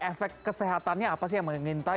efek kesehatannya apa sih yang dimintai